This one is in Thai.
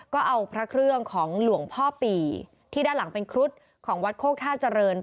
ก็เอาพระเครื่องของหลวงพ่อปี่ที่ด้านหลังเป็นครุฑของวัดโคกท่าเจริญ